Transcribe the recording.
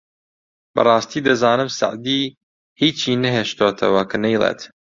! بەڕاستی دەزانم سەعدی هیچی نەهێشتۆتەوە کە نەیڵێت